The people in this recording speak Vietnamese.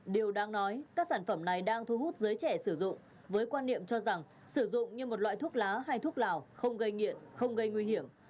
điều đáng nói các sản phẩm này đang thu hút giới trẻ sử dụng với quan niệm cho rằng sử dụng như một loại thuốc lá hay thuốc lào không gây nghiện không gây nguy hiểm